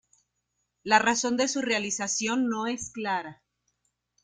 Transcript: La razón de su realización no es clara.